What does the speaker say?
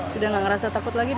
sudah gak ngerasa takut lagi